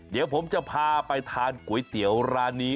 เดี๋ยวผมจะพาไปทานก๋วยเตี๋ยวร้านนี้